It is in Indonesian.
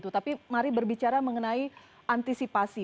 tapi mari berbicara mengenai antisipasi